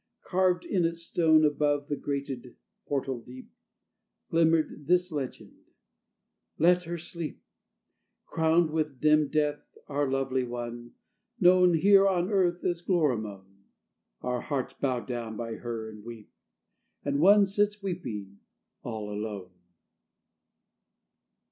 Carved in its stone, Above the grated portal deep, Glimmered this legend: "Let her sleep, Crowned with dim death, our lovely one, Known here on Earth as Gloramone. Our hearts bow down by her and weep, And one sits weeping all alone."